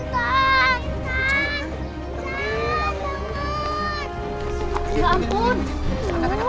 tahan bangunin tahan